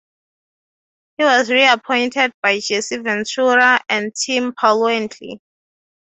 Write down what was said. He was reappointed by Jesse Ventura and Tim Pawlenty.